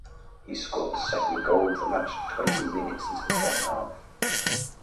He scored the second goal of the match twenty minutes into the second half.